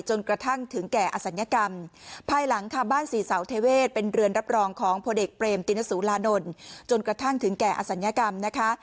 จนกระทั่งถึงแก่อศัลยกรรมภายหลังค่ะบ้านศรีเสาเทเวศเป็นเรือนรับรองของพลเอกเปรมตินสุรานนท์จนกระทั่งถึงแก่อศัลยกรรมนะคะ